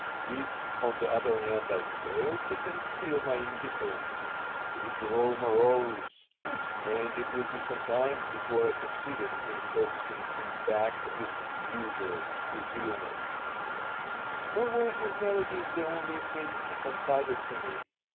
If, on the other hand, I failed to conceal my indifference, he would grow morose, and it would be some time before I succeeded in coaxing him back to his usual good humor Nor were his melodies the only things he confided to me.